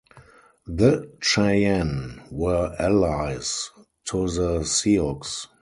The Cheyenne were allies to the Sioux.